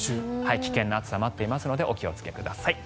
危険な暑さが待っていますのでお気をつけください。